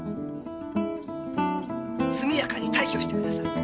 速やかに退去してください。